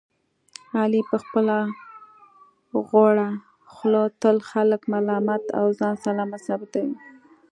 علي په خپله غوړه خوله تل خلک ملامت او ځان سلامت ثابتوي.